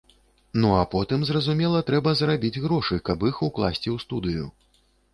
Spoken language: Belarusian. Ну, а потым, зразумела, трэба зарабіць грошы, каб іх укласці ў студыю.